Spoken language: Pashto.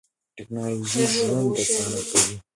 تکنالوژي ژوند آسانه کوي.